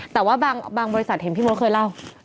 แต่ว่าบางบริษัทเห็นพี่มดเคยเล่า